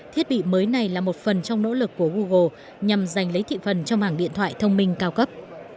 thiết bị mới này là một phần trong nỗ lực của google nhằm giành lấy thị phần trong hàng điện thoại thông minh cao cấp